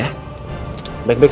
baik baik sama oma ya